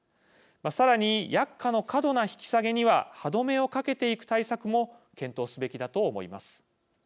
さらに薬価の過度な引き下げには歯止めをかけていく対策も検討すべきだと思います。